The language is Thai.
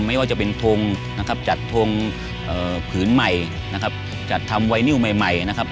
ไม่ว่าจะเป็นทงจัดทงผืนใหม่จัดทำวัยนิ่วใหม่นะครับ